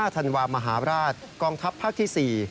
ธันวามหาราชกองทัพภาคที่๔